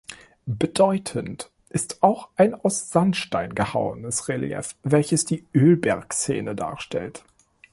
Bedeutend ist auch ein aus Sandstein gehauenes Relief, welches die Ölbergszene darstellt.